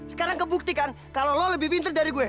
sekarang kebuktikan kalau lo lebih pinter dari gue